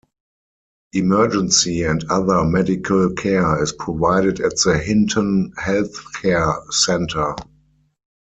Emergency and other medical care is provided at the Hinton Healthcare Centre.